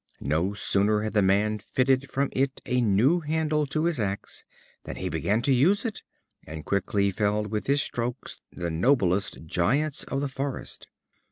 No sooner had the man fitted from it a new handle to his axe, than he began to use it, and quickly felled with his strokes the noblest giants of the forest.